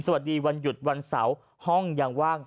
วันหยุดวันเสาร์ห้องยังว่าง